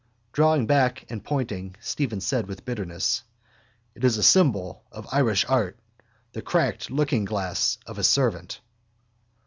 Drawing back and pointing, Stephen said with bitterness: —It is a symbol of Irish art. The cracked lookingglass of a servant.